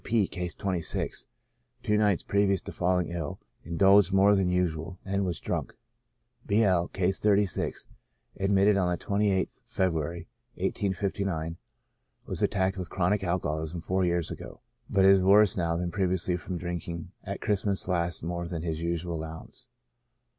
W. P —, (Case 26,) two nights previous to falling ill, indulged more than usual, and was drunk. B. L —, (Case 36,) admitted on the 28th February, 1859, ^^^^ attacked with chronic alcoholism four years ago, but is worse now than previously from drinking at Christ mas last more than his usual allowance.